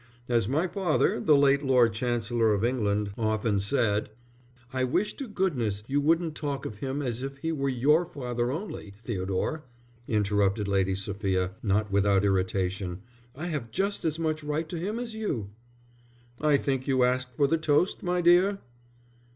As my father, the late Lord Chancellor of England, often said...." "I wish to goodness you wouldn't talk of him as if he were your father only, Theodore," interrupted Lady Sophia, not without irritation. "I have just as much right to him as you." "I think you asked for the toast, my dear."